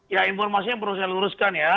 ya informasinya perlu saya luruskan ya